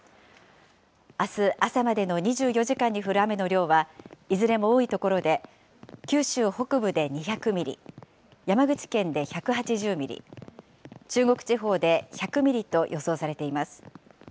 あす朝までの２４時間に降る雨の量はいずれも多い所で九州北部で２００ミリ、山口県で１８０ミリ、中国地方で１００ミリと予想されています。